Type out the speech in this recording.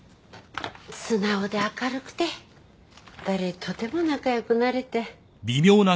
素直で明るくて誰とでも仲良くなれて。